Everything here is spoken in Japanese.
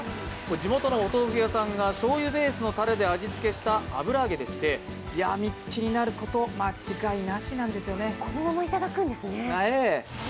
地元のお豆腐屋さんがしょうゆベースのたれで味付けした油揚げでやみつきになること間違いなしなんですよね。